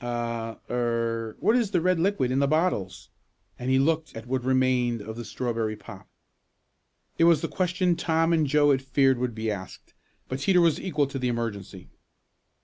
Ah er what is the red liquid in the bottles," and he looked at what remained of the strawberry pop. It was the question Tom and Joe had feared would be asked. But Teeter was equal to the emergency.